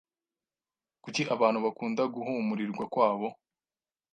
Kuki abantu bakunda guhumurirwa kwabo?